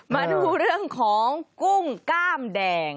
มาดูเรื่องของกุ้งกล้ามแดง